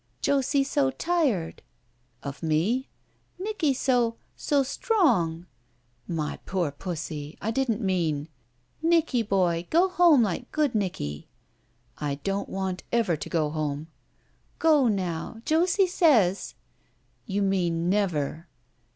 "Josie so tired." "Of me?" "Nicky so — so strong." "My poor pussy! I didn't mean —" "Nicky boy, go home like good Nicky." "I don't want ever to go home." "Go now, Josie says." "You mean never."